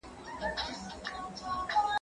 زه درسونه لوستي دي؟!